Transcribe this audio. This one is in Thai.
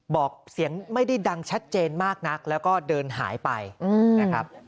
บอกเสียงไม่ได้ดังชัดเจนมากนักแล้วก็เดินหายไปนะครับ